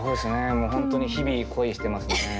もう本当に日々恋してますね。